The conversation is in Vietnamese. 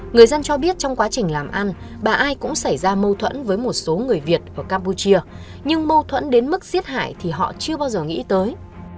người dân cho biết trong quá trình làm ăn bà ai cũng xảy ra mâu thuẫn với một số người việt ở campuchia nhưng mâu thuẫn đến mức giết hại thì họ chưa bao giờ nghĩ tới